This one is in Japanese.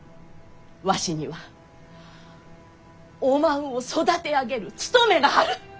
わしにはおまんを育て上げる務めがある！